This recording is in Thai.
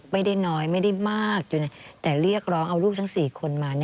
ไม่ได้น้อยไม่ได้มากจนแต่เรียกร้องเอาลูกทั้ง๔คนมา